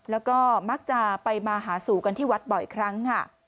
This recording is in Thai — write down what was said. แล้วก็มักจะไปมาหาสู่กันที่วัดบ่อยครั้งค่ะ